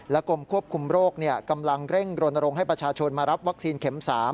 และกรมควบคุมโรคร่งกำลังเร่งโรนโรงให้ประชาชนรับวัคซีนเข็ม๓